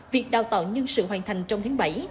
việc đào tạo nhân sự hoàn thành trong tháng bảy